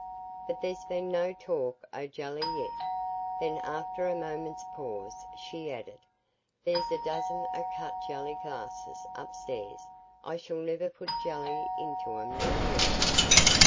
"But there's been no talk o' jelly yet." Then after a moment's pause she added, "There's a dozen o' cut jelly glasses upstairs—I shall never put jelly into 'em no more."